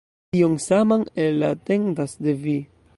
Tion saman Ella atendas de vi!